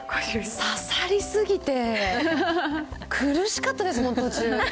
刺さり過ぎて、苦しかったです、もう途中。